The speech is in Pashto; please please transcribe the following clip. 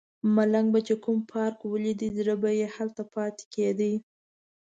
ملنګ به چې کوم پارک ولیده زړه به یې هلته پاتې کیده.